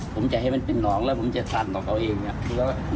ผมจะให้มันเป็นหลองและผมจะถั่นลองเอาเอง